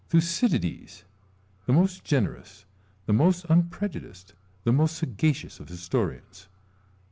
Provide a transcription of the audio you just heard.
Ccesar. Thucydides ! the most generous, the most unpre judiced, the most sagacious, of historians.